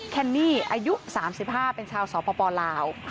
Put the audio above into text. แคนนี่อายุ๓๕เป็นชาวสปลาว